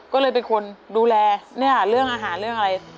ก็เลยเป็นคนดูแลเนี่ยเรื่องอาหารเรื่องอะไร